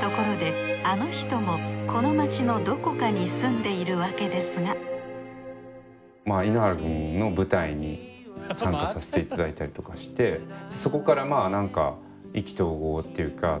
ところであの人もこの街のどこかに住んでいるわけですが井ノ原くんの舞台に参加させていただいたりとかしてそこからまぁなんか意気投合っていうか。